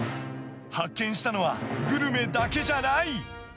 発見したのは、グルメだけじゃない。